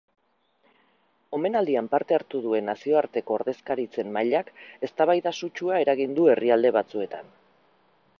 Omenaldian parte hartu duen nazioarteko ordezkaritzen mailak eztabaida sutsua eragin du herrialde batzuetan.